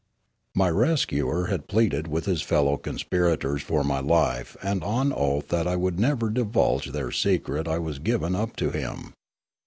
My rescuer had pleaded with his fellow conspirators for my life and on oath that I would never divulge their secret I was given up to him.